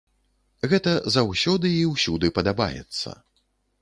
Гэта заўсёды і ўсюды падабаецца.